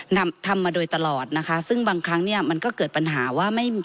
ทำทำมาโดยตลอดนะคะซึ่งบางครั้งเนี่ยมันก็เกิดปัญหาว่าไม่